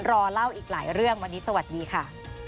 รอเล่าอีกหลายเรื่องวันนี้สวัสดีค่ะ